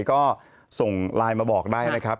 ก็ส่งไลน์มาบอกได้นะครับ